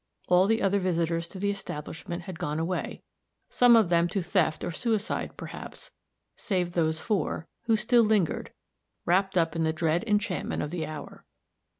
All the other visitors to the establishment had gone away, some of them to theft or suicide, perhaps, save those four, who still lingered, wrapped up in the dread enchantment of the hour.